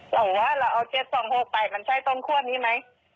เราว่าเราเอา๗๒๖ไปมันใช่ต้นคั่วนี้ไหม